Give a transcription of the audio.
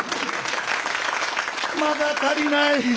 まだ足りない。